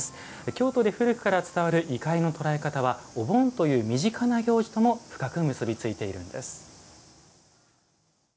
京都で古くから伝わる異界の捉え方は、お盆という身近な行事とも深くつながっています。